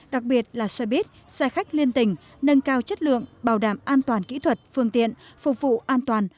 đặc biệt là xe buýt xe khách liên tình nâng cao chất lượng bảo đảm an toàn kỹ thuật phương tiện phục vụ an toàn